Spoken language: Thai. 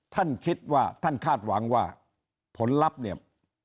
ท่านคิดว่าท่านคาดหวังว่าผลลัพธ์เนี่ย